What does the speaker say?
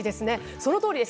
そのとおりです。